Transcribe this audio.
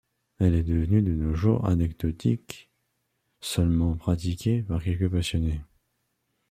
Elle est devenue de nos jours anecdotique, seulement pratiquée par quelques passionnés.